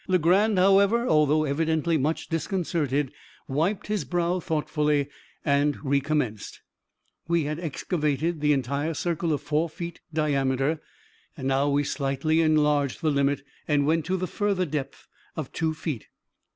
Legrand, however, although evidently much disconcerted, wiped his brow thoughtfully and recommenced. We had excavated the entire circle of four feet diameter, and now we slightly enlarged the limit, and went to the further depth of two feet.